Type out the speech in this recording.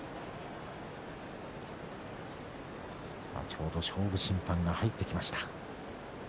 ちょうど勝負審判が入ってきました。